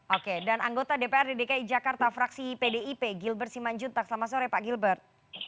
oke dan anggota dprd dki jakarta fraksi pdip gilbert simanjuntak selamat sore pak gilbert